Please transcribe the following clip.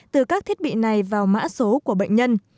từ các thiết bị này vào mã số của bệnh nhân